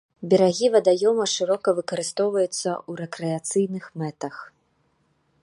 Берагі вадаёма шырока выкарыстоўваюцца ў рэкрэацыйных мэтах.